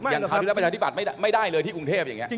อย่างเท่าที่เราประชาธิบัติไม่ได้เลยที่กรุงเทพฯอย่างนี้